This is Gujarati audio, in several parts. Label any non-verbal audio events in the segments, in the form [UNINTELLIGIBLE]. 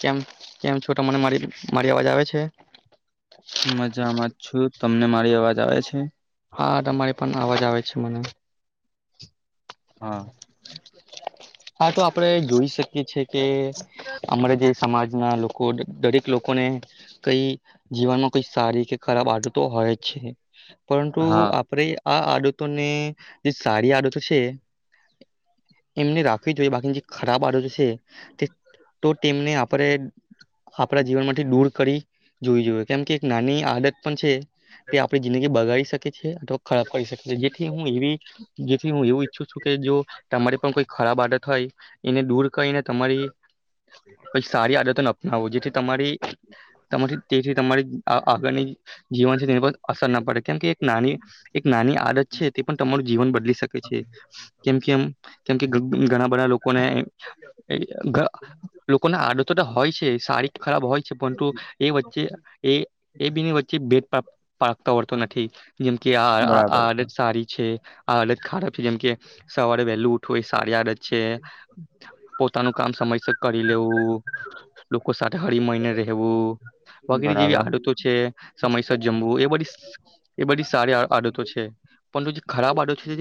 કેમ કેમ છોટા મને મારી મારી અવાજ આવે છે? મજામાં જ છું તમને મારી અવાજ આવે છે? હા તમારી પણ અવાજ આવે છે મને. હા. હા તો આપડે જોઈ શકીએ છે કે, અમારા જે સમાજના લોકો દરેક લોકોને કઈ જીવનમાં કોઈ સારી કે ખરાબ આદત તો હોય છે. પરંતુ હા આપડે આ આડતોને, જે સારી આડતો છે એમને રાખ જો બાકીની જે ખરાબ આદતો છે, તે તો તેમને આપણે આપણા જીવનમાંથી દૂર કરી જોવી જોઈએ કેમ કે એક નાની આદત પણ છે તે આપણી જિંદગી બગાડી શકે ખરાબ કરી શકે છે જેથી હું એવી જેથી હું એવું ઈચ્છું છું કે જો, તમારે પણ કોઈ ખરાબ આડ થાય, એને દૂર કહીને તમારી કઈ સારી આદતો ન આવો જેથી તમારી તેથી તમારી આગળની જીવન છે તેની પર અસર ના પડે કેમકે એક નાની, એક નાની આદત છે તે પણ તમારું જીવન બદલી શકે છે, કેમ કેમ કેમકે ઘણા બધા લોકોને લોકો ના આદતો હોય છે શારી ખરાબ હોય છે પરંતુ, એ વચ્ચે એ એ બી વચ્ચે ભેટ પાતો વતો નથી. જેમ કે આ બરાબર છે આડત સાડી છે. આ આડત ખરાબ છે જેમ કે સવારે વહેલું ઉઠવુંય સારી આડત છે પોતાનું કામ સમયસ કરી લેવું લોકો સાથે હળ મહિને રહેવું વગેરે જેવી બરાબર આડતો છે સમયસર જમવું એ બધી એ બધી સારી આદતો છે પણ જે ખરાબ આદતો છે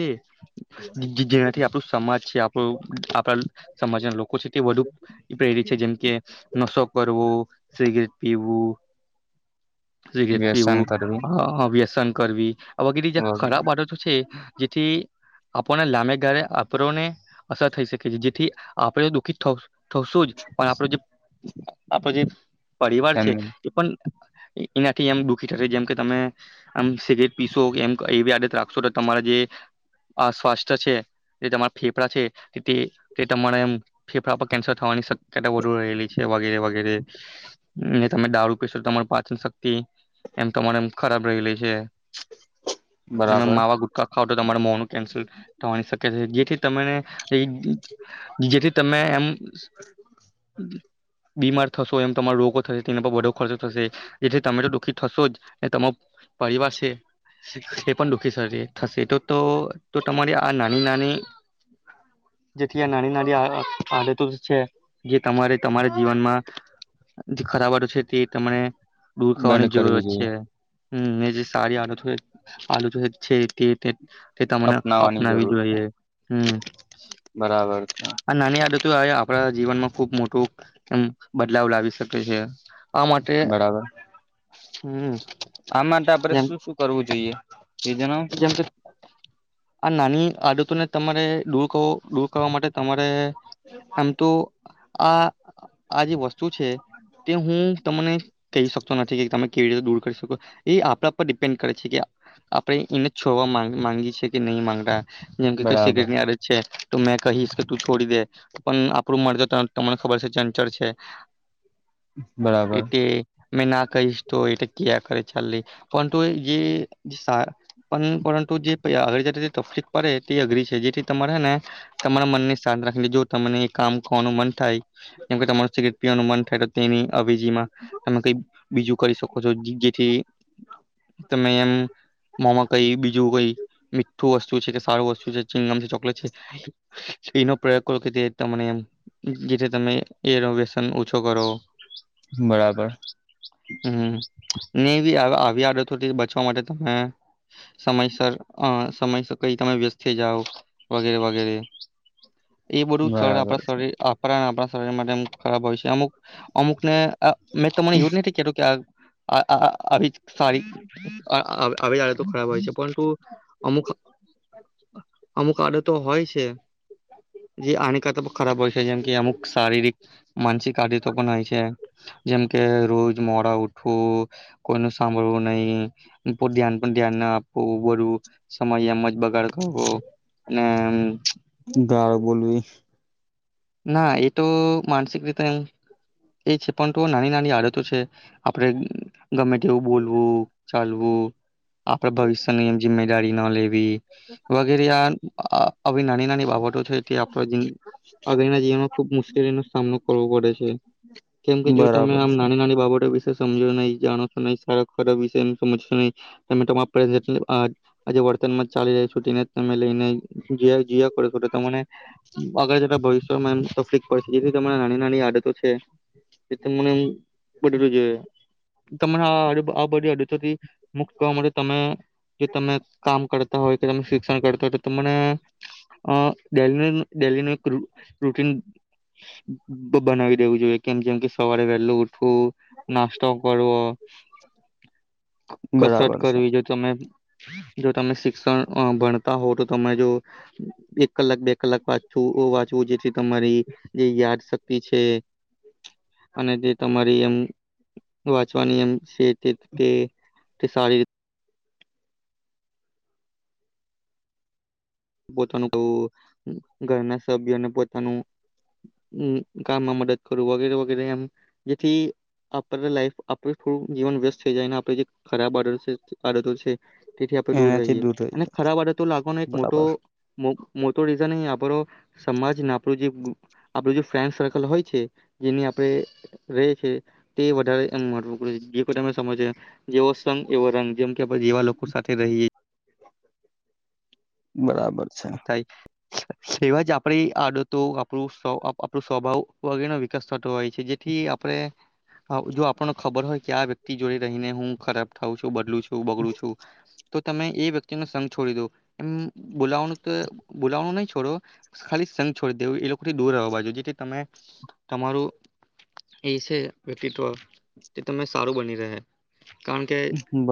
જેનાથી આપણું સમાજ છે આપણા સમાજના લોકો છે તે વધુ પ્રેરિત છે જેમ કે નશો કરવો સિગરેટ પીવું સિગરેટ વ્યસન પીવું કરવી વ્યસન કરવી આગેરે જે ખરાબ બાડતો છે જેથી આપણને લાંબે ગાળે આપણને અસર થઈ શકે છે જેથી આપણે દુઃખિત થવ તોશું જ પણ આપડું જે અપોજીત પરિવાર એમ છે એ પણ એનાથી એમ દુઃખી થશે જેમ કે તમે આમ સિગરેટ પીશોમ એવી આડત રાખશો તો તમારા જે આ સ્વાસ્થ્ય છે જે તમારા ફેફડા છે તે ત મને એમ ફેફડા પર કેન્સર થવાની શક્યતા વધુ રહેલી છે વગેરે વગેરે ને તમે દાારૂ પેશ તમાર પાચન શક્તિ એમ તમારેમ ખરાબ રહીલીે છે તમે બરાબર માવા ગુટકા ખાવ તો તમારે મો નું કેન્સલ થવાની શક્ય છે જેથી તને એ જેથી તમે એમ બીમાર થશો એમ તમારો રોગો થશે તેના પર બો ખર્ચો થશે જેથી તમે તો દુઃખી થશો જ ને ત પરિવાર છે એ પણ દુઃખી છે થશે તો તો તમારી આ નાની નાની જથીી આ નાની નાડી આ આે ત છે જે તમારે તમારા જીવનમાં જે ખરાબટો છે તે તમને દૂર બંધ કરવાની કરવી જરૂરત જોઈએ છે હમ એ જે સારીી આલુ થ આલુ થઈ છે તે તે એ તમને અપનાવાની અપનાવી જરૂર છે જોઈએ હમ બરાબર છે આ નાની આપણા જીવનમાં ખુબ મોટું એ બદલાવ લાવી શકે છે આ માટે બરાબર હમ આ માટે આપડે જેમ શું શું કરવું જોઈએ એ જણાવ છું જેમ કે આ નાની આદતોને તમારે દૂર કવો ડૂર કરવાાવા માટે તમારે આમ તો આ આજે બસ શું છે, તે હું તમને કહી શકતો નથી કે તમે કેવી રીતે દૂર કરી શકો, એ આપણા પર ડિપેન્ડ કરે છે કે આપણે એને છોડવા માંગી છે કે નહીં માંગતા. જેમ કે કોઈ બરાબર સિગરેટ ની આડત છે. તો મેં કહીશ કે તું છોડી દે, પણ આપણું મરજ તમને ખબર છે ચંચલ છે. બરાબર. એટલે મેં ના કહીશ તો એ ક કરે ચા પરંતુ જે પરંતુ જે આગળ તકલીફ પડે તે અઘરી છે જેથી તમારે હે ને. તમારા મનને શાંત રાખીનેે જો તમને એ કામ કરવાનું મન થાય. એમ કતા મનષ કે નુ મન થાય તો તેની અવેજીમાં તમે કઈ બીજું કરી શકો છો જેથી તમે એમ મોમાં કઈ બીજું કઈ મીઠું વસ્તુ છે કે સારું વસ્તુ છેમ છે ચોકલેટ છે. એનો પ્રયોગ કરો કે જે તને જેથી તમે એનોવેશન ઓછો કરો. બરાબર. હમ નહી બી આવી આડતોથી બચવા માટે, તમે સમયસર સમયસર કઈ તમે વ્યસ્ત થઇ જાવ, વગેરે વગેરે. [INAUDIBLE] એ બધું સર બરાબર આપણા છે શરીર આપરા અને આપણા મામ ખરાબ છે અમુ અમુક ને મેં તને એવું જ નથી કું કે આ આવી સારી આવી આડતો ખરાબ હોય છે પરંતુ અમુક, અમુક આડત તો હોય છે. જે આનીિકતો પણ ખરાબ હોય છે જેમ કે અમુક શારીરિક માનસિક આદતો પણ હોય છે જેમકે રોજ મોડા ઉઠવું, કોઈ ન સાંભળવું નહી ધ્યાન પણ ધ્યાન ના આપવું, બધું સમયમ જ બગાડ કરવો અને હમ. ગાર બોલવી. ના એ તો માનસિક રીતે એ છે પરંતુ નાની નાની આદતો છે, આપણે ગમે તેવું બોલવું, ચાલુ વુ. આપડે ભવિષ્યની એમ. જિમમેદારી ન લેવી વગેરે આ આવી નાની નાની બાબતો છે તે આપડ અગરના જીવન ખુબ મુશ્કેલીનો સામનો કરવો પડે છે કેમ કે જો તમે બરાબર આમ છે નાની નાની બાબતો સમજો નહી જાણો છો નહી સારા ખરાબ વિ સમજશો નહી તમે તમા આજે વર્તનમાં ચાલી રહી છોને તમે લઈને જીયા જયા કરો છો તને અગરજત બવી તફ પડ જેથી નાની નાની આદતો છે જે મને બદલું જોઈ આ બધી આદતોથી મુક્ત કરવા માટે તમે જો તમે કામ કરતા હોય કે તમે શિક્ષણ કરતા હોય તમને અ ડેનીનું ડેલીનું એક રૂટ રૂટીન બ બ બનાવી રેવું જોઈએ કેમ જેમ કે સવારે વહેલુ ઉઠ વું નાસ્તો કરવો ક કસરત બરાબર છે કરવી જો તમે જો તમે શિક્ષણ અ ભણતા હોવ તો તમે જો એક કલાક બે કલાક વાંચું ઓ વા જો જે ચિપ તમારી જે યાદ શક તે છે અને તે તમારી એમ વાંચવાની એમ સે તીત કે તે સારી પોતાનું કઉ ઘરના સભ્યોને પોતાનું ઉહ કામમાં મદદ કરું વગેરે વગેરે એમ જેથી આરે લાઈફ આપરે થોડું જીવન વ્યસ્ત થઈ જાય આપરે જે ખરાબ આડતો છે આદતો છે તેથી આપણે દૂર રહીએ અને ખરાબ આડતો લાગવાનો એક મોટ તો બરાબર મોં મોટો રીઝન અહી આપડો સમાજ ને આપણું જે ગુ આપણું જે ફ્રેન્ડ સર્કલ હોય છે જેની આપણે રહે છે તે વધારે એમું [UNINTELLIGIBLE] જે કોઈ તમે સમજો જેવો સંગ એવો રંગ જેમ કે આપણે જેવા લોકો સાથે રહીએ બરાબર. છે થાય એવા જ આપડી આડતો આપણું સવ આપણું સ્વભાવ વગેરેનો વિકાસ થતો હોય છે જેથી, આપરે જો આપણને ખબર હોય કે આ વ્યક્તિ જોડે રહીને હું ખરાબ થઉ છું બદલું છું છું બગડું છું તો તમે એ વ્યક્તિનો સંઘ છોડી દો એમ બોલાવાનું તે બોલાવવાનું નહી છોડો ખાલી સંઘ છોડી દેવું એ લોકોથી દૂરવા બાજુ જેથી તમે તમારું એ છે વ્યક્તિત્વ તે તમે સારું બની રહે. કારણ કે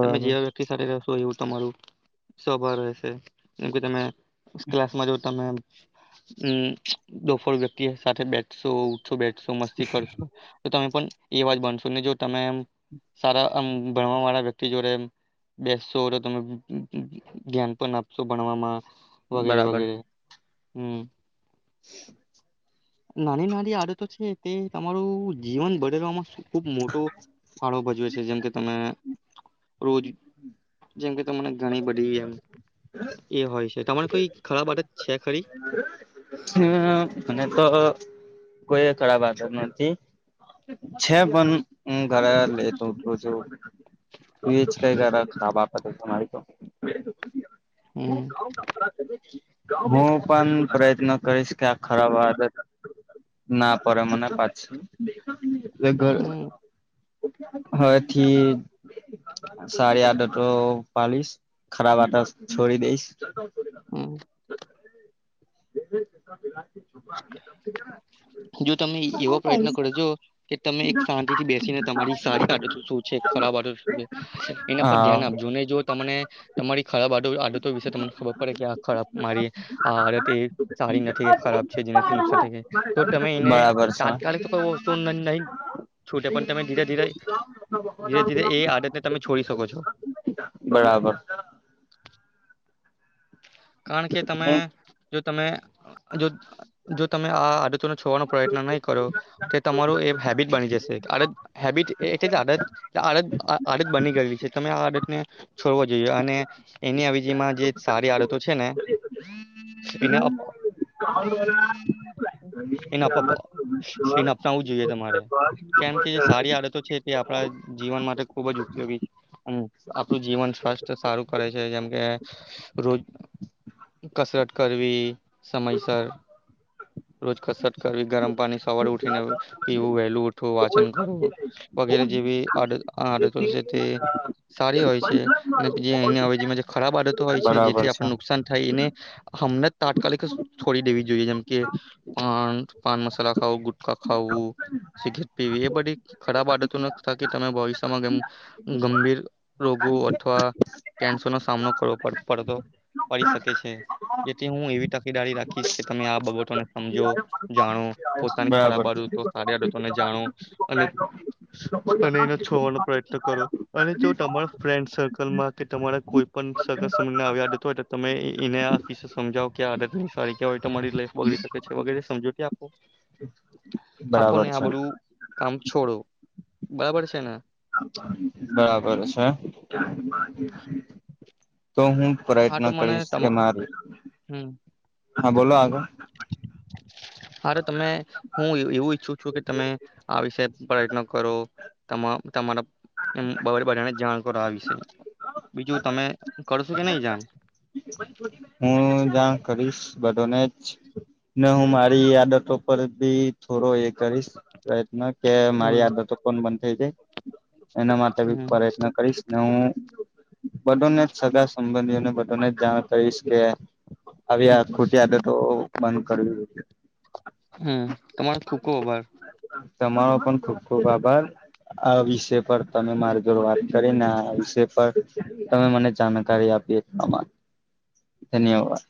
તમે જેવા વ્યક્તિ સાથે રહેશો એવું તમારું સ્વભાવ રહેશે જેમ કે તમે ક્લાસમાં જોતા મે હમ, બપોર વ્યક્તિ સાથે બેઠશો ઉ - શું બેઠુશું મસ્તી કરશું તો તમે પણ એવાજ બનશો ને જો તમે આમ સારા આમ ભણવાવાળા વ્યક્તિ જોડે બેસશો તો તમે ધ્યાન પણ આપશો ભણવામાં વગેરે બરાબર વગેરે. હમ્મ. [UNINTELLIGIBLE] નાની નાની આદતો છે તે, તમારું જીવન બદલવામાં શું ખુબ મોટો ફાળો ભજવે સે. તે જેમકે તમે રોજ જેમ કે તમને ઘણી બધી એમ એ હોય છે, તમારે કોઈ ખરાબ આડત છે ખરી? હમ, મને તો કોઈ ખરાબ આદટ નથી છે પન હું ઘરા લેતોતો છું એજ કઈ ખરાબ આ બાબતે મારે તો હમ [UNINTELLIGIBLE] હું પણ પ્રયત્ન કરીશ કે આ ખરાબ આદત ના પડે મને પાછી. [UNINTELLIGIBLE] હમ હવેથી સારી આદતો પાલીશ, ખરાબ આદત છોડી દઈશ. હમ્મ. જો તમે ઈ એવો પ્રયત્ન હ કરજો કે તમે એક શાંતિ થી બેસીને તમારી સારી આદતો શું છે, ખરાબ આદતો શું છે એના પર ધ્યાન હા. આપજો. ને જો તમને તમારી ખરાબ આદ આદતો વિશે તમને ખબર પડે કે આ ખરાબ મારી આ આદત એ સારી નથી, એ ખરાબ છે જેનાથી નુકસાન થઈ જાય તો તમે એને બરાબર છે. તાત્કાલિક તો [UNINTELLIGIBLE] તો નહી છૂટે પણ તમે ધીરે ધીરે ધીરે ધીરે એ આડતને તમે છોડી શકો છો. બરાબર. કારણ કે તમે હું જો તમે જો જો તમે આ આદતોનો છોડવાનો પ્રયત્ન નહીં કરો, તો તમારું એ હેબિટ બની જશે, આડ હેબિટ એટલે જ આદત આડ આડત બની ગયલી છે, તમે આડ છોડવો જોઈએ, અને એની અજીમાં જે સારી આડ તો છે ને એને એને એને અપનાવવું જોઈએ તમારે. કેમ કે જે સારી આડતો છે તે આપણા જીવન માટે ખુબ જ ઉપયોગી છે, આપણું જીવન સ્વસ્થ સારું કરે છે જેમ કે, રોજ કસરત કરવી. સમયસર. રોજ કસરત કરવી ગરમ પાની સવાર ઉઠીને પીવું વહેલું ઉઠ તો વાચન કરું, વગેરે જેવી અડ તે સારી હોય છે, અને જે અહી હોય જે ખરાબ આદત હોય છે બરાબર જેથી છે. નુકસાન થાય એને. અમને તાત્કાલિક છોડી દેવી જોઈએ જેમ કે પાન પાન મસાલા ખાવું ગુટકા ખાવું સિગરેટ પીવી, એ બધી ખરાબ આદતો, ન થ કે તમે ભવિષ્યમાંમ, ગંભીર રોગો અથવા કેન્સર ન સામનો કરવોડ પડતો પડી શકે છે, જેથી હું એવી તકેદારી રાખીશ કે તમે આ બાબતોને સમજો જાણો. પોતાની બરાબર ખરાબ આડતો સારી આડતોને જાણો. અને અને એને છોડવાનો પ્રયત્ન કરો, અને જો તમારા ફ્રેન્ડ સર્કલમાં કે તમારા કોઈ પણ સગસ આવી આદત તમે એને આ વિ સમજાવો કે આદત સવાયરી લાઈફ બોવી શકે છે વગરે સમજૂતી આપો. બરાબર આપોને આ છે બધું કામ છોડો, બરાબર છે ને. બરાબર છે તો હું હા પ્રયત્ન તો મને કરીશ તમ કે માર હમ હા બોલો આગળ. અરે તમે હું એવું ઈચ્છું છું કે તમે આ વિશે પ્રયત્ન કરો, તમા તમારા બરે બધાને જાણ કરો, આ વિશે બીજું તમે કરશો કે નહી જાણ? હું જાણ કરીશ ને નને હું મારી આદતો પર બી થોડો એ કરીશ, પ્રયત્ન કે હમ મારી આદતો કોણ બન [UNINTELLIGIBLE] એના માટે બી હમ પ્રયત્ન કરીશ ને હું બધોને જ સગા સંબંધીઓને બધાને જ જાણ કહીશ કે, હ ખૂટ્યા હતા તો મન કરો. હમ તમારો ખુબ ખૂબ આભાર. તમારો પણ ખુબ ખુબ આભાર, આ વિષય પર તમે મારી જોડ વાત કરી ને આ વિષ પર તમે મને જાણકારી આપી તમારો ધન્યવાદ.